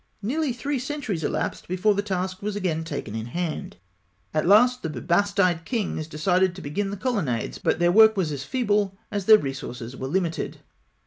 Nearly three centuries elapsed before the task was again taken in hand. At last the Bubastite kings decided to begin the colonnades, but their work was as feeble as their, resources were limited.